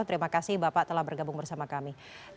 terima kasih bapak telah bergabung bersama kami